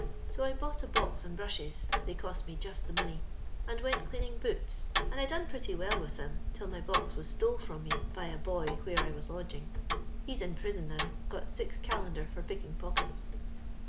So I bought a box and brushes (they cost me just the money) and went cleaning boots, and I done pretty well with them, till my box was stole firom me by a boy where I was lodging. He's in prison now — got six calendar for picking pockete.